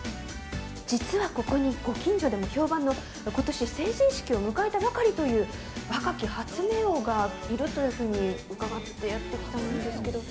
実はここにご近所でも評判の、ことし成人式を迎えたばかりという、若き発明王がいるというふうに伺ってやって来たんですけれども。